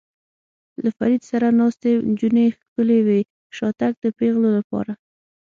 له فرید سره ناستې نجونې ښکلې وې، شاتګ د پېغلو لپاره.